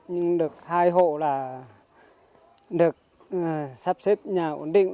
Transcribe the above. nhưng được hai hộ là được sắp xếp nhà ổn định